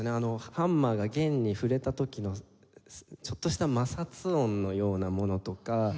ハンマーが弦に触れた時のちょっとした摩擦音のようなものとか。